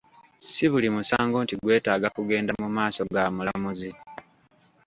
Si buli musango nti gwetaaga kugenda mu maaso ga mulamuzi.